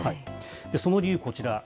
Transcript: その理由、こちら。